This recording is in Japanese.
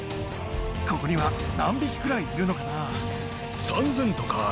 ここには何匹くらいいるのかな？